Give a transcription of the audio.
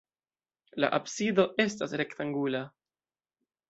La absido estas rektangula.